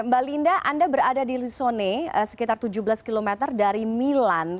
mbak linda anda berada di lissone sekitar tujuh belas km dari milan